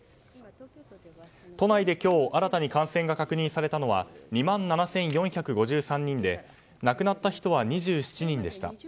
都内で今日新たに感染が確認されたのは２万７４５３人で亡くなった人は２７人でした。